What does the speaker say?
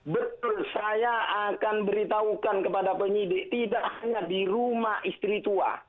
betul saya akan beritahukan kepada penyidik tidak hanya di rumah istri tua